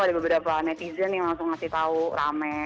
ada beberapa netizen yang langsung ngasih tahu rame